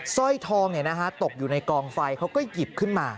สร้อยทองตกอยู่ในกองไฟเขาก็หยิบขึ้นมา